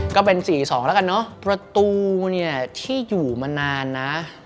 ก็เป็น๔๒แล้วกันเนอะประตูเนี่ยที่อยู่มานานนะ